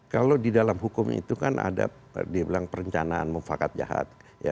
kalau di dalam hukum itu kan ada dibilang perencanaan mufakat jahat